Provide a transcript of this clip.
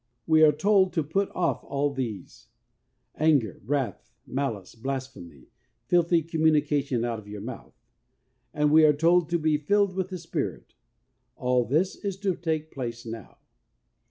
We are told to ' put off all these ; anger, wrath, malice, blasphemy, filthy com munication out of your mouth.' And we are told to ' be filled with the Spirit.' All this is to take place now.